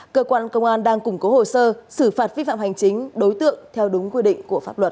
cơ quan công an đang củng cố hồ sơ xử phạt vi phạm hành chính đối tượng theo đúng quy định của pháp luật